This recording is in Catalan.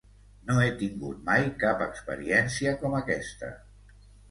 No he tingut mai cap experiència com aquesta.